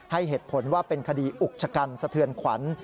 ให้เหตุผลว่าเป็นคดีอุกชะกันสะเทือนขวัญ